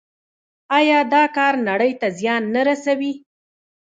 آیا دا کار نړۍ ته زیان نه رسوي؟